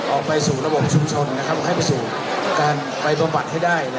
ออกไปสู่ระบบชุมชนให้ไปสู่การไปบำบัดให้ได้